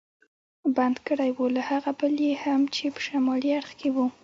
بند کړی و، له هغه بل یې هم چې په شمالي اړخ کې و.